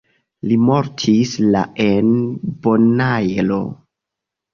Li mortis la en Bonaero.